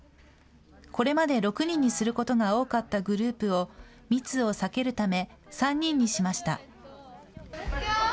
これまで６人にすることが多かったグループを、密を避けるため３人にしました。